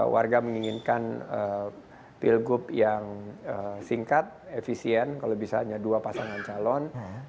warga menginginkan pilgub yang singkat efisien kalau bisa hanya dua pasangan calon